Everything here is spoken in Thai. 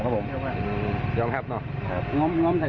ท่านดูเหตุการณ์ก่อนนะครับ